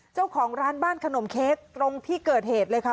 เจ้าของร้านบ้านขนมเค้กตรงที่เกิดเหตุเลยค่ะ